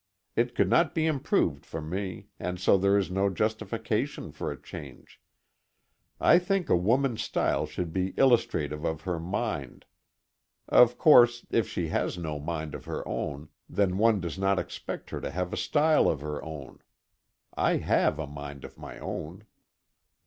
It could not be improved for me, and so there is no justification for a change. I think a woman's style should be illustrative of her mind. Of course, if she has no mind of her own, then one does not expect her to have a style of her own. I have a mind of my own.